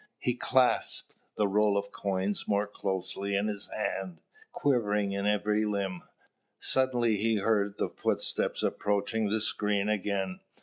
He clasped the roll of coin more closely in his hand, quivering in every limb. Suddenly he heard the footsteps approaching the screen again.